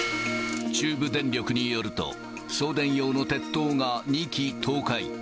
中部電力によると、送電用の鉄塔が２基倒壊。